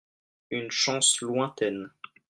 Une chance lointaine.